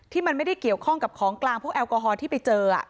ที่มันไม่ได้เกี่ยวข้องกับของกลางพวกแอลกอฮอลที่ไปเจอ